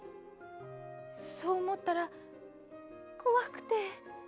そうおもったらこわくて。